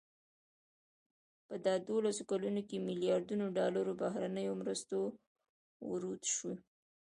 په دا دولسو کلونو کې ملیاردونو ډالرو بهرنیو مرستو ورود شو.